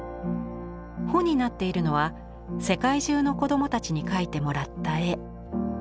帆になっているのは世界中の子どもたちに描いてもらった絵。